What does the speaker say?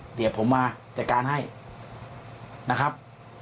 เดี๋ยวผมมาจัดการให้นะครับ